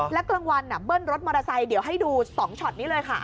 แล้วกลางวันเบิ้ลรถมอเตอร์ไซค์เดี๋ยวให้ดู๒ช็อตนี้เลยค่ะ